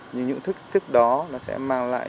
nhưng những thức thức đó sẽ mang lại